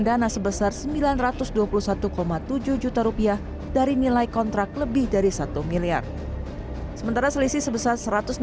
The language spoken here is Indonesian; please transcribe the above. dana sebesar sembilan ratus dua puluh satu tujuh juta rupiah dari nilai kontrak lebih dari satu miliar sementara selisih sebesar